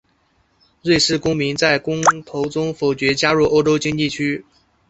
瑞士公民在公投中否决加入欧洲经济区。